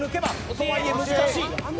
とはいえ難しい。